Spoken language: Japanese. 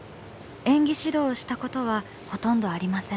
演技指導をしたことはほとんどありません。